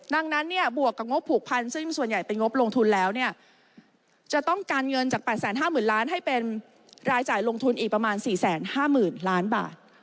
ดังนั้นเนี่ยบวกกับงบผูกพันธุ์ซึ่งส่วนใหญ่เป็นงบลงทุนแล้วเนี่ยจะต้องการเงินจาก๘๕๐๐๐ล้านให้เป็นรายจ่ายลงทุนอีกประมาณ๔๕๐๐๐ล้านบาท